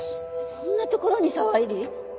そんな所に沢入？